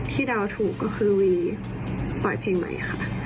ดาวถูกก็คือวีปล่อยเพลงใหม่ค่ะ